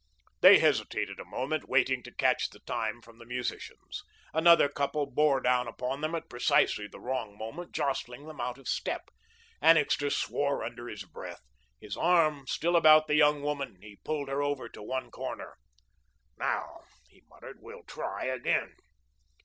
They hesitated a moment, waiting to catch the time from the musicians. Another couple bore down upon them at precisely the wrong moment, jostling them out of step. Annixter swore under his breath. His arm still about the young woman, he pulled her over to one corner. "Now," he muttered, "we'll try again."